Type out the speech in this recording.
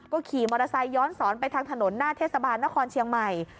ขี่มอเตอร์ไซคย้อนสอนไปทางถนนหน้าเทศบาลนครเชียงใหม่